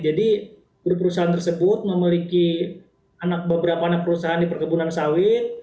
jadi grup perusahaan untuk memiliki beberapa anak perusahaan di perkebunan sawit